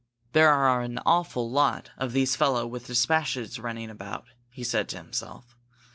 "There are an awful lot of these fellows with dispatches running about," he said to himself.